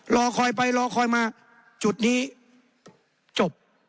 รอคอยไปรอคอยมาจุดนี้จบ